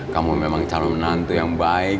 kamu memang calon menantu yang baik